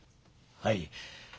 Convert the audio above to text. はい。